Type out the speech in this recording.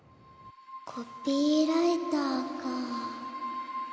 コピーライターか。